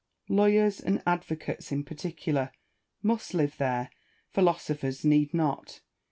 Lawyers, and advocates in particular, must live there ; philosophers need not.